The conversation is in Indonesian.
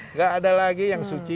nggak ada lagi yang suci